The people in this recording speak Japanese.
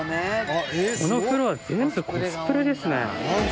このフロア全部コスプレですね。